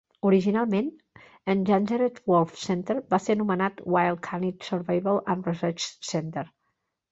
Originalment, l'Endangered Wolf Center va ser anomenat Wild Canid Survival and Research Center.